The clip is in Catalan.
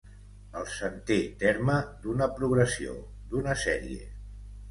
El centè terme d'una progressió, d'una sèrie.